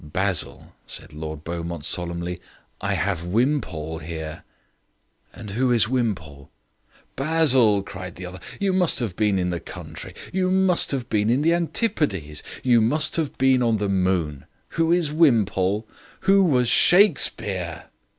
"Basil," said Lord Beaumont solemnly, "I have Wimpole here." "And who is Wimpole?" "Basil," cried the other, "you must have been in the country. You must have been in the antipodes. You must have been in the moon. Who is Wimpole? Who was Shakespeare?"